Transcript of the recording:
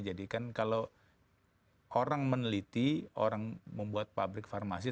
jadi kan kalau orang meneliti orang membuat pabrik farmasi